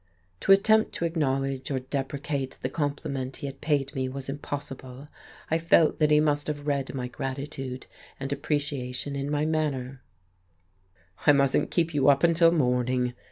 To attempt to acknowledge or deprecate the compliment he had paid me was impossible; I felt that he must have read my gratitude and appreciation in my manner. "I mustn't keep you up until morning."